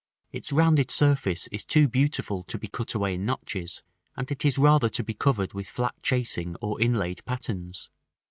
Its rounded surface is too beautiful to be cut away in notches; and it is rather to be covered with flat chasing or inlaid patterns.